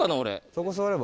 そこ座れば。